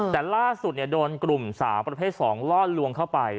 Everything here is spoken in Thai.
แต่ล่าสุดโดนกลุ่มสาวประเภท๒ล่อลวงเข้าไป